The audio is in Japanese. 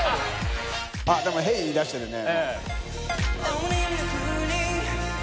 あっでも「ＨＥＹ！」言い出してるね。